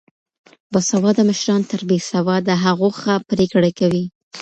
باسواده مشران تر بې سواده هغو ښه پرېکړې کوي.